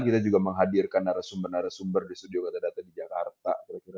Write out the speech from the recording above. kita juga menghadirkan narasumber narasumber di studio data data di jakarta